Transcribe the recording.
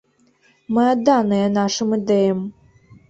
Мы адданыя нашым ідэям.